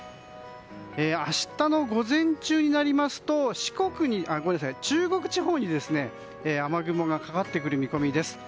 明日の午前中になりますと中国地方に雨雲がかかってくる見込みです。